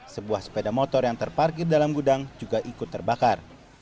sebuah sepeda motor yang terparkir dalam gudang juga ikut terbakar